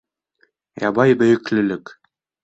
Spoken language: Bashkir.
ЯБАЙ БӨЙӨКЛӨК